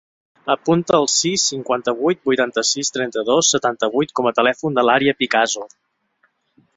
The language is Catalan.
Apunta el sis, cinquanta-vuit, vuitanta-sis, trenta-dos, setanta-vuit com a telèfon de l'Ària Picazo.